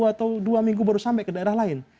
atau dua minggu baru sampai ke daerah lain